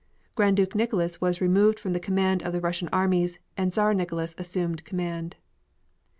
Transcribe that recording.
Grand Duke Nicholas was removed from the command of the Russian armies and Czar Nicholas assumed command.